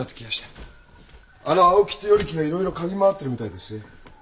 あの青木って与力がいろいろ嗅ぎ回ってるみたいですぜ。